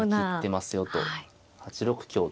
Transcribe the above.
見切ってますよと。